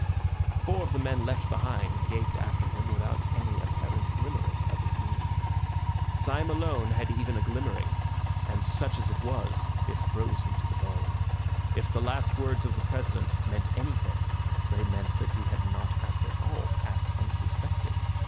Four of the men left behind gaped after him without any apparent glimmering of his meaning. Syme alone had even a glimmering, and such as it was it froze him to the bone. If the last words of the President meant anything, they meant that he had not after all passed unsuspected.